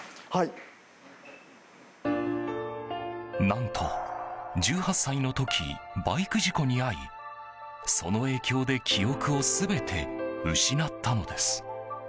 何と１８歳の時バイク事故に遭いその影響で記憶を全て失ったのです。